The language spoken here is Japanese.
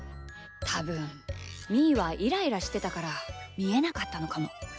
たぶんみーはイライラしてたからみえなかったのかも。